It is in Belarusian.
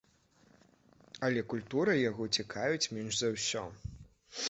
Але культура яго цікавіць менш за ўсё.